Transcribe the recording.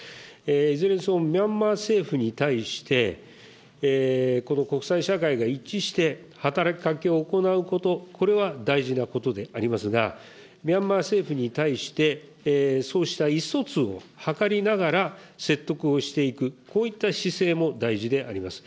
いずれにせよ、ミャンマー政府に対して、この国際社会が一致して働きかけを行うこと、これは大事なことでありますが、ミャンマー政府に対して、そうした意思疎通を図りながら説得をしていく、こういった姿勢も大事であります。